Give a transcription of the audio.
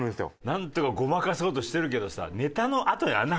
なんとかごまかそうとしてるけどさ。